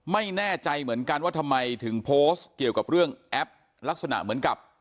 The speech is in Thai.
ไม่แน่ใจเหมือนกันว่าทำไมถึงโพสต์เกี่ยวกับเรื่องแอปลักษณะเหมือนกับ